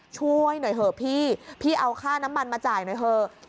ช่วยหน่อยเถอะพี่พี่เอาค่าน้ำมันมาจ่ายหน่อยเถอะ